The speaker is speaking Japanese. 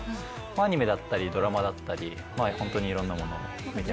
アニメだったり、ドラマだったり、いろんなものを見てますね。